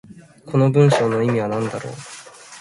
この文章の意味は何だろう。